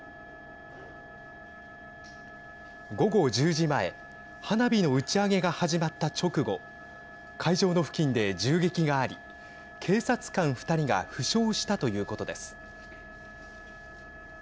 午後１０時前花火の打ち上げが始まった直後会場の付近で銃撃があり警察官２人が負傷したということです。